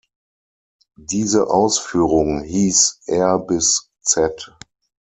Diese Ausführung hieß R-Z.